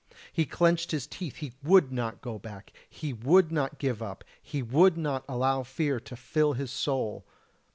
He clenched his teeth: he would not go back! He would not give up! He would not allow fear to fill his soul!